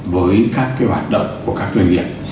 với các cái hoạt động của các doanh nghiệp